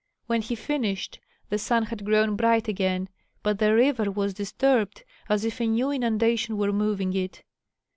When he finished, the sun had grown bright again; but the river was disturbed, as if a new inundation were moving it.